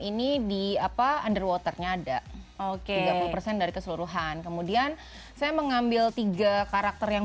air waternya ada oke persen dari keseluruhan kemudian saya mengambil tiga karakter yang